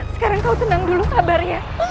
sekarang kau tenang dulu sabar ya